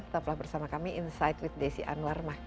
tetaplah bersama kami insight with desi anwar